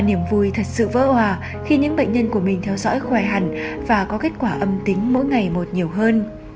niềm vui thật sự vỡ hòa khi những bệnh nhân của mình theo dõi khỏe hẳn và có kết quả âm tính mỗi ngày một nhiều hơn